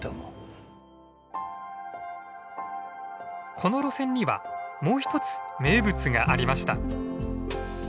この路線にはもう一つ名物がありました。